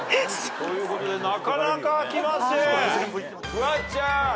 フワちゃん。